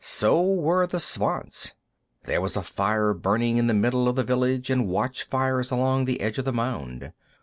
So were the Svants; there was a fire burning in the middle of the village, and watch fires along the edge of the mound.